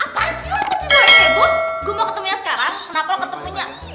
apaan sih lah kucu kucu gue mau ketemunya sekarang kenapa lo ketemunya